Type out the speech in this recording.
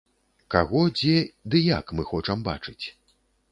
Каго, дзе ды як мы хочам бачыць.